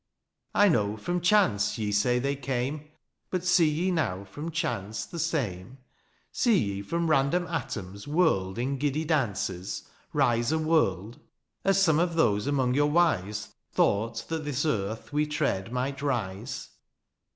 " I know from chance ye say they came; " But see ye now from chance the same ?" See ye from random atoms whirled " In giddy dances, rise a world ;" As some of those among your wise, " Thought that this earth we tread might rise